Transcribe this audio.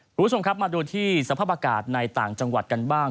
คุณผู้ชมครับมาดูที่สภาพอากาศในต่างจังหวัดกันบ้าง